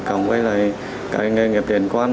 cộng với các nghề nghiệp liên quan